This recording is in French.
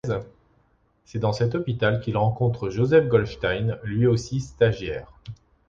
C'est dans cet hôpital qu'il rencontre Joseph Goldstein, lui aussi stagiaire.